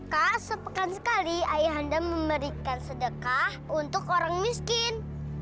kak sepekan sekali ayah anda memberikan sedekah untuk orang miskin